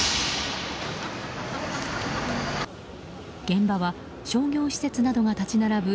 現場は商業施設などが立ち並ぶ